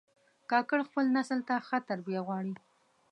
کاکړ خپل نسل ته ښه تربیه غواړي.